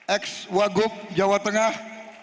ex waguk jawa tengah